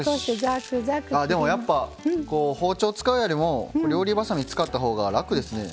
ああでもやっぱ包丁使うよりも料理ばさみ使ったほうが楽ですね。